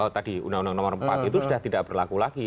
tadi undang undang nomor empat itu sudah tidak berlaku lagi